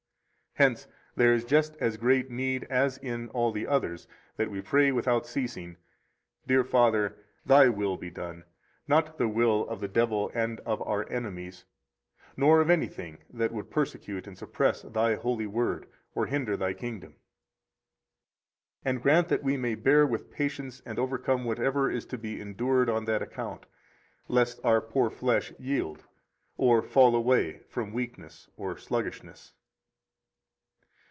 67 Hence there is just as great need, as in all the others, that we pray without ceasing: "Dear Father, Thy will be done, not the will of the devil and of our enemies, nor of anything that would persecute and suppress Thy holy Word or hinder Thy kingdom; and grant that we may bear with patience and overcome whatever is to be endured on that account, lest our poor flesh yield or fall away from weakness or sluggishness."